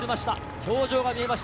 表情が見えました。